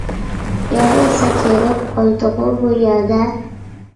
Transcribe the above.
يامغۇر سەت يېغىپ قويدىغۇ بۇ يەردە.